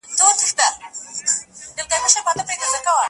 څه به کړو چي دا دریاب راته ساحل شي؛